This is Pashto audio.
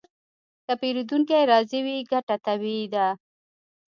که پیرودونکی راضي وي، ګټه طبیعي ده.